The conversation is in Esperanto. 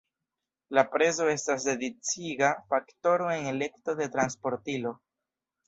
La prezo estas decidiga faktoro en elekto de transportilo.